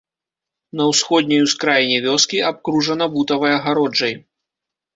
На ўсходняй ускраіне вёскі, абкружана бутавай агароджай.